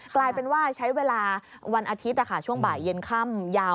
กลายเป็นว่าใช้เวลาวันอาทิตย์ช่วงบ่ายเย็นค่ำยาว